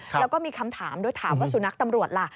แล้วก็มีคำถามด้วยถามว่าสุนัขตำรวจล่ะ